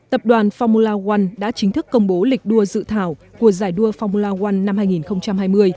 tập đoàn farmula wan đã chính thức công bố lịch đua dự thảo của giải đua formula one năm hai nghìn hai mươi